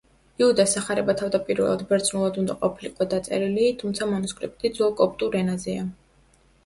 იუდას სახარება თავდაპირველად ბერძნულად უნდა ყოფილიყო დაწერილი, თუმცა მანუსკრიპტი ძველ კოპტურ ენაზეა.